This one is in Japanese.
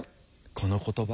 この言葉。